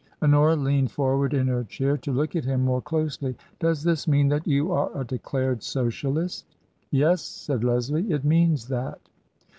Honora leaned forward in her chair to look at him more closely. " Does this mean that you are a declared Socialist ?"" Yes," said Leslie ;" it means that."